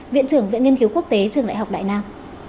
viện trưởng viện nghiên cứu quốc tế trường đại học đại nam